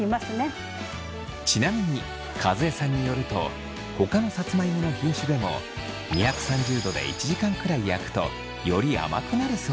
ちなみに和江さんによるとほかのさつまいもの品種でも２３０度で１時間くらい焼くとより甘くなるそう。